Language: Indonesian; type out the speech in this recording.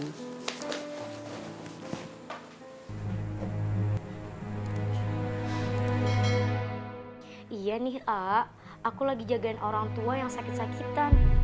ya iya nirak aku lagi jagain orang tua yang sakit sakitan